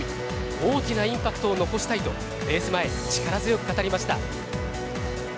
大きなインパクトを残したいとレース前、力強く語りました。